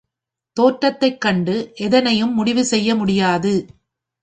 தோற்றத்தைக் கண்டு எதனையும் முடிவு செய்ய முடியாது.